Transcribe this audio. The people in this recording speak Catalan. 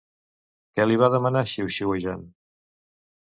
Què li va demanar xiuxiuejant?